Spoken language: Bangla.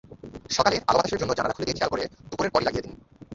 সকালে আলো-বাতাসের জন্য জানালা খুলে দিলে খেয়াল করে দুপুরের পরই লাগিয়ে নিন।